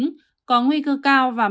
người có bệnh nền bệnh mạng tính